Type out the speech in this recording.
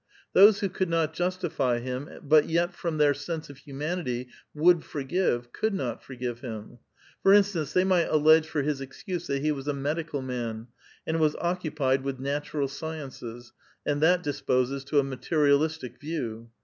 Those who could not justify him, but yet from their sense of humanity would forgive, could not forgive him. For instance, tliey might allege for his excuse that he was a med ical man, and was occupied with natural sciences, and that disposes to a materialistic view.